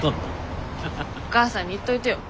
お母さんに言っといてよ